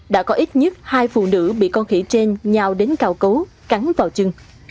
đã có ít nhất hai phụ nữ bị con khỉ trên nhào đến cào cấu cắn vào chân